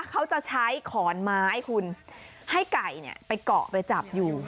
เขาจะใช้ขอนไม้คุณให้ไก่ไปเกาะไปจับอยู่